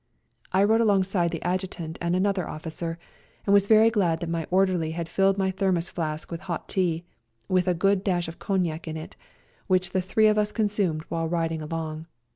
I rode alongside the Adjutant and another officer, and was very glad that my orderly had filled my thermos flask with hot tea, with a good dash of cognac in it, which the three of us consumed while riding along.